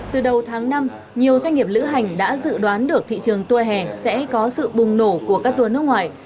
từ đầu tháng năm nhiều doanh nghiệp lữ hành đã dự đoán được thị trường tour hè sẽ có sự bùng nổ của các tour nước ngoài